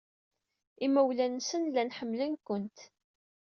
Imawlan-nsen llan ḥemmlen-kent.